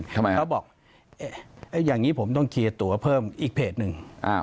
เขาบอกอย่างนี้ผมต้องเคลียร์ตัวเพิ่มอีกเพจหนึ่ง